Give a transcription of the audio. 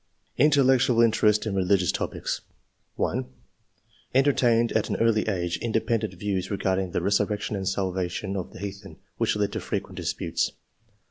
Intellectual interest in religious topics. — 1. " Entertained at an early age independent views regarding the resurrection and salvation of the heathen, which led to frequent disputes."